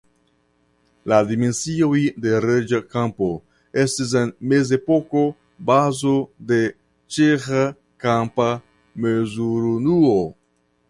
La dimensioj de Reĝa kampo estis en mezepoko bazo de ĉeĥa kampa mezurunuo.